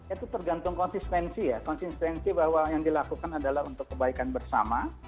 itu tergantung konsistensi ya konsistensi bahwa yang dilakukan adalah untuk kebaikan bersama